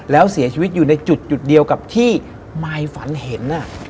แล้วเสียชีวิตอยู่ในจุดเดียวกับที่มายฝันเห็น